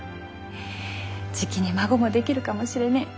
じきに孫も出来るかもしれねぇ。